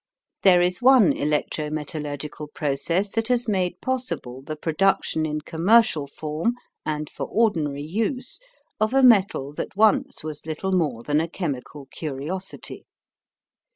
There is one electro metallurgical process that has made possible the production in commercial form and for ordinary use of a metal that once was little more than a chemical curiosity.